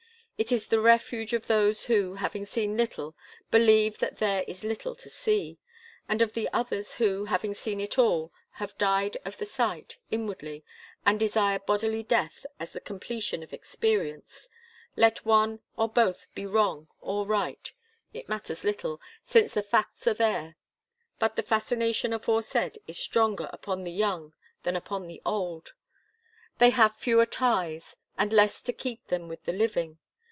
It is the refuge of those who, having seen little, believe that there is little to see, and of the others who, having seen all, have died of the sight, inwardly, and desire bodily death as the completion of experience. Let one, or both, be wrong or right; it matters little, since the facts are there. But the fascination aforesaid is stronger upon the young than upon the old. They have fewer ties, and less to keep them with the living.